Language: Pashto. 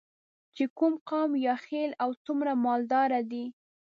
چې کوم قوم یا خیل او څومره مالداره دی.